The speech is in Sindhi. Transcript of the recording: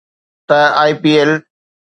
ته IPL